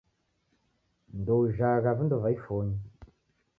Ndoujhagha vindo va ifonyi